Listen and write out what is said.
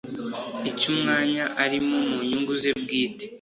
icy umwanya arimo mu nyungu ze bwite